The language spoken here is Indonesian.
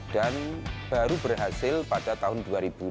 dan baru berhasil pada tahun dua ribu dua puluh empat ini